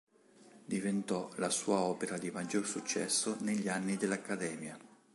Diventò la sua opera di maggior successo negli anni dell'Accademia.